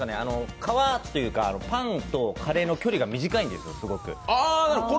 皮というか、パンとカレーの距離が短いんですよ、すごく。